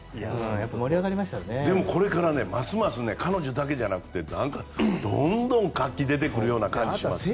でもこれから、ますます彼女だけじゃなくてどんどん活気が出てくる感じがします。